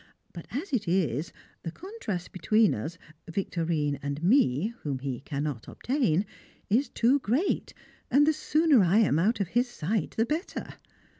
But, as it is, the contrast between us Victorine and me whom he cannot obtain is too great, and the sooner I am out of his sight the better!